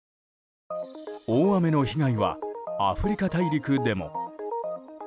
大雨の被害はアフリカ大陸でも。